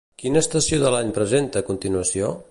Quina estació de l'any presenta a continuació?